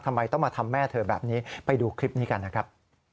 ทำไมต้องมาทำแม่เธอแบบนี้ไปดูคลิปนี้กันนะครับ